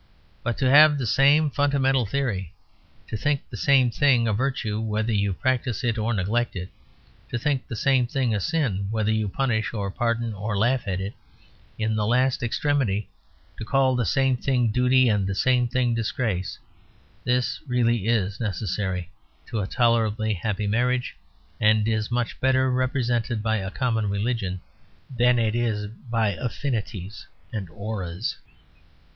But to have the same fundamental theory, to think the same thing a virtue, whether you practise or neglect it, to think the same thing a sin, whether you punish or pardon or laugh at it, in the last extremity to call the same thing duty and the same thing disgrace this really is necessary to a tolerably happy marriage; and it is much better represented by a common religion than it is by affinities and auras.